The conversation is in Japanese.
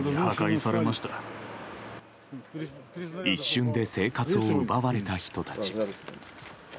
一瞬で生活を奪われた人たち。